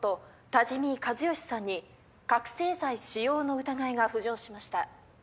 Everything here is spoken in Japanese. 多治見一善さんに覚せい剤使用の疑いが浮上しました。